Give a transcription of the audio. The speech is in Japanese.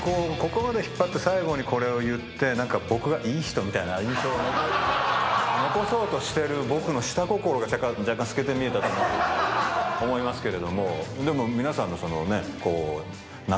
ここまで引っ張って最後にこれを言って僕がいい人みたいな印象を残そうとしてる僕の下心が若干透けて見えたと思いますが。